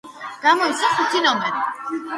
გამოიცა ხუთი ნომერი.